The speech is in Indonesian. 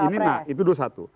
ya ini nah itu dulu satu